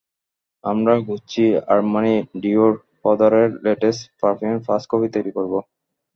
আমরা Gucci, Armani, Dior, প্রদারের latest পারফিউমের ফার্স্ট কপি তৈরি করব।